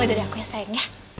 mulai dari aku ya sayang ya